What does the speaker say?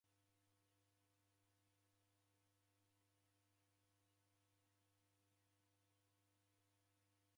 Isanga jedu ni suti jituzo